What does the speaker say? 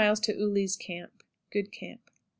Ouley's Camp. Good camp.